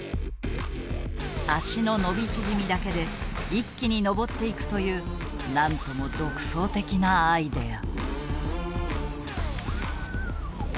足の伸び縮みだけで一気に登っていくというなんとも独創的なアイデア。